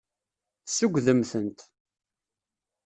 Tessugdem-tent.